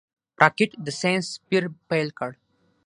راکټ د ساینس پېر پيل کړ